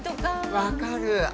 分かる。